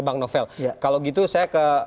bang novel kalau gitu saya ke